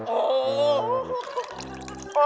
โอ้โห